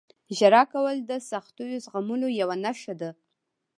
• ژړا کول د سختیو زغملو یوه نښه ده.